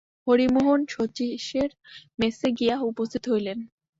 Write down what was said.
হরিমোহন শচীশের মেসে গিয়া উপস্থিত হইলেন।